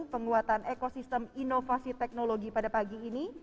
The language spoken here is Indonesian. penguatan ekosistem inovasi teknologi pada pagi ini